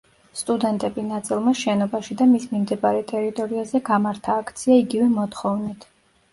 სტუდენტები ნაწილმა შენობაში და მის მიმდებარე ტერიტორიაზე გამართა აქცია იგივე მოთხოვნით.